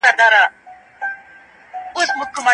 موږ به یو بل سره په سوله کي ژوند کوو.